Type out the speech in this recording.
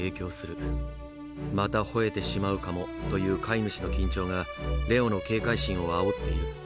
「また吠えてしまうかも」という飼い主の緊張がレオの警戒心をあおっている。